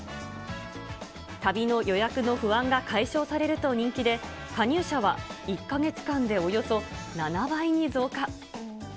旅の予約の不安が解消されると人気で、加入者は１か月間でおよそ７倍に増加。